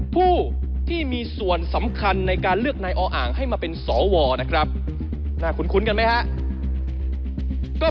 ผู้ที่มีส่วนสำคัญในการเลือกนายออ่างให้มาเป็นสวนะครับน่าคุ้นกันไหมครับ